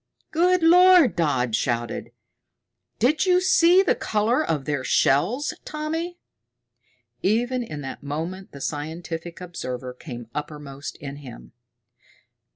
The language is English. "Good Lord," Dodd shouted, "did you see the color of their shells, Tommy?" Even in that moment the scientific observer came uppermost in him.